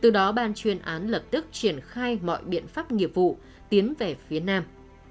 từ đó bàn truyền án lập tức triển khai mọi biện pháp nghiệp vụ tiến về phía nam